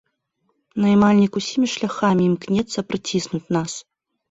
Наймальнік усімі шляхамі імкнецца прыціснуць нас.